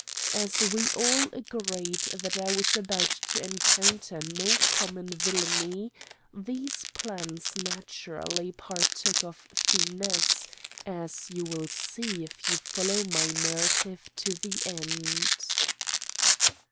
As we all agreed that I was about to encounter no common villainy, these plans naturally partook of finesse, as you will see if you will follow my narrative to the end.